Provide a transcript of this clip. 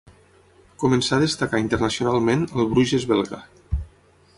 Començà a destacar internacionalment al Bruges belga.